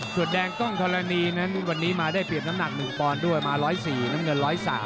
ส่วนแดงกล้องธรณีนั้นวันนี้มาได้เปรียบน้ำหนัก๑ปอนด์ด้วยมา๑๐๔น้ำเงิน๑๐๓